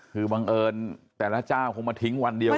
คือบังเอิญแต่ละเจ้าคงมาทิ้งวันเดียว